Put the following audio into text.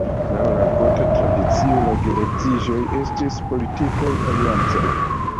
Laŭ la gota tradicio, la geedziĝoj estis politikaj aliancoj.